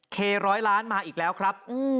เคร้อยล้านมาอีกแล้วครับ